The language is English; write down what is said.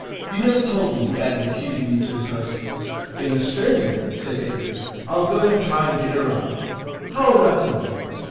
You never told me,' he added accusingly to his host. 'In Australia ' said Edward. 'I'll go and try and get her round. How was I to know?'